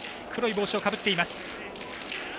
黒い帽子をかぶっています。